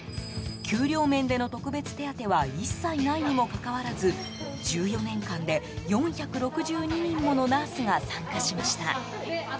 給料面での特別手当は一切ないにもかかわらず１４年間で４６２人ものナースが参加しました。